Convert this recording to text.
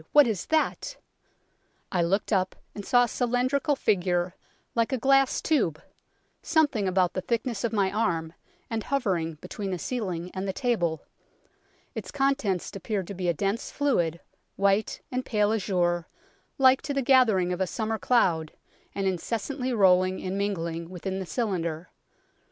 what is that ?'" I looked up, and saw a cylindrical figure, like a glass tube, something about the thickness of my arm, and hovering between the ceiling and the table ; its contents appeared to be a dense fluid, white and pale azure, like to the gathering of a summer cloud, and incessantly rolling and mingling within the cylinder.